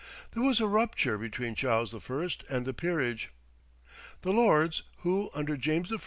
There was a rupture between Charles I. and the peerage. The lords who, under James I.